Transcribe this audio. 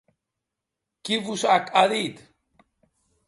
Qui vos ac a dit?